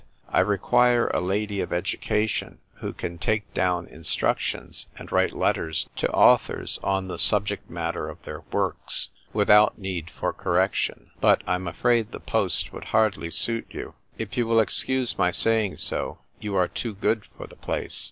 I require a lady of education, who can take down instructions and write letters to authors on the subject matter of their works, without need for correction. But — I'm afraid the post would hardly suit you. If you will excuse my saying so, you are too good for the place.